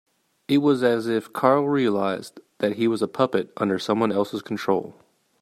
It was as if Carl realised that he was a puppet under someone else's control.